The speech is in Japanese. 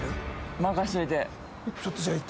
任しといて。